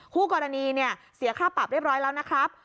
คู่กรณีเนี่ยเสียค่าปรับเรียบร้อยแล้วนะครับ